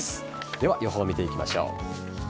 では予報を見ていきましょう。